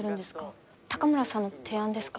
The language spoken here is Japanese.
高村さんの提案ですか？